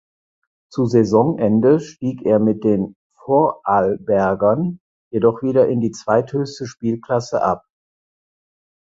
Zu Saisonende stieg er mit den Vorarlbergern jedoch wieder in die zweithöchste Spielklasse ab.